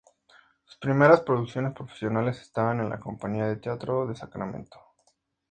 Sus primeras producciones profesionales estaban en La Compañía de Teatro de Sacramento.